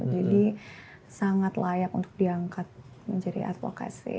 jadi sangat layak untuk diangkat menjadi advokasi